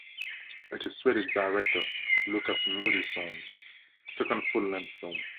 It is Swedish director Lukas Moodysson's second full-length film.